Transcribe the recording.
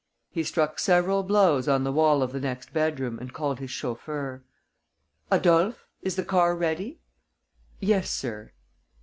He struck several blows on the wall of the next bedroom and called his chauffeur. "Adolphe, is the car ready?" "Yes, sir."